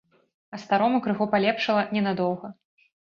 А старому крыху палепшала не надоўга.